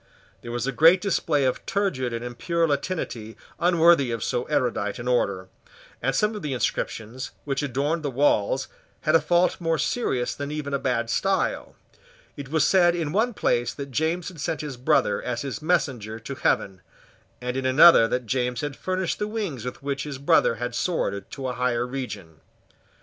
There was a great display of turgid and impure Latinity unworthy of so erudite an order; and some of the inscriptions which adorned the walls had a fault more serious than even a bad style. It was said in one place that James had sent his brother as his messenger to heaven, and in another that James had furnished the wings with which his brother had soared to a higher region.